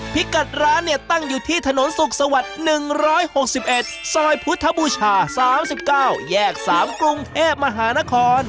พิกัดร้านเนี่ยตั้งอยู่ที่ถนนสุขสวัสดิ์๑๖๑ซอยพุทธบูชา๓๙แยก๓กรุงเทพมหานคร